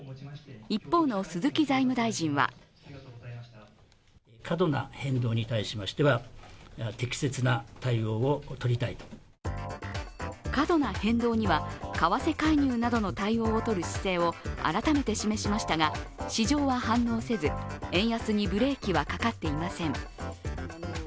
一方の鈴木財務大臣は過度な変動には為替介入などの対応をとる姿勢を改めて示しましたが、市場は反応せず、円安にブレーキはかかっていません。